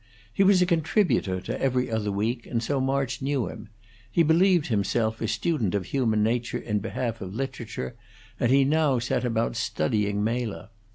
He was a contributor to 'Every Other Week,' and so March knew him; he believed himself a student of human nature in behalf of literature, and he now set about studying Mela.